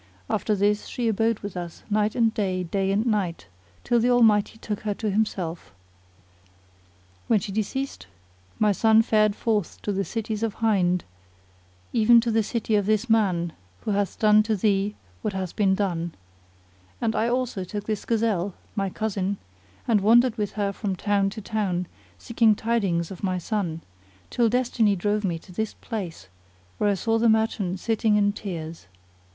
After this she abode with us night and day, day and night, till the Almighty took her to Himself. When she deceased, my son fared forth to the cities of Hind, even to the city of this man who hath done to thee what hath been done;[FN#51] and I also took this gazelle (my cousin) and wandered with her from town to town seeking tidings of my son, till Destiny drove me to this place where I saw the merchant sitting in tears.